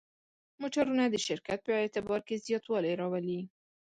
موټرونه د شرکت په اعتبار کې زیاتوالی راولي.